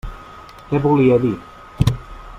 Què volia dir?